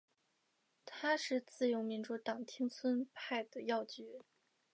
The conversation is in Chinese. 他是自由民主党町村派的要角。